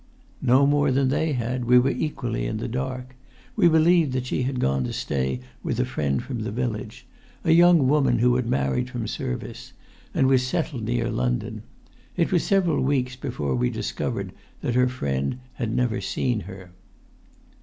"No more than they had. We were equally in the dark. We believed that she had gone to stay with a friend from the village—a young woman who had married from service, and was settled near London. It was several weeks before we discovered that her friend had never seen her."